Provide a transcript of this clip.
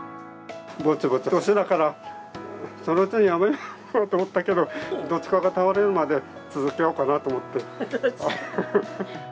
ぼちぼち年だから、そのうちに辞めようと思ったけど、どっちかが倒れるまで続けようかなと思って。